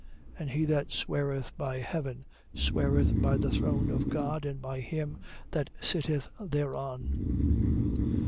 23:22. And he that sweareth by heaven sweareth by the throne of God and by him that sitteth thereon.